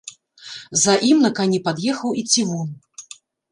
За ім на кані пад'ехаў і цівун.